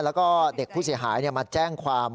แล้วก็เด็กผู้เสียหายมาแจ้งความ